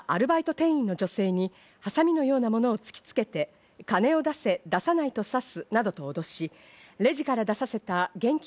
店員の女性にハサミのようなものを突きつけて、金を出せ、出さないと刺すなどと脅し、レジから出させた現金